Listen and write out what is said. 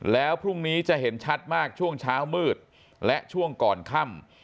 แล้วพรุ่งนี้จะเห็นชัดมากช่วงเช้ามืดและช่วงก่อนค่ำ